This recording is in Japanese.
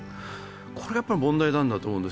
これやっぱり問題なんだと思うんです。